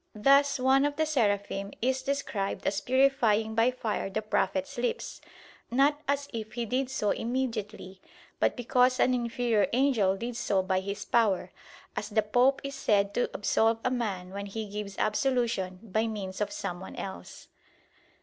Thus one of the Seraphim is described as purifying by fire the prophet's lips, not as if he did so immediately, but because an inferior angel did so by his power; as the Pope is said to absolve a man when he gives absolution by means of someone else.